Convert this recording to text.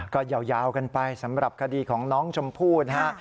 ก็ยาวกันไปสำหรับคดีของน้องชมพู่นะฮะ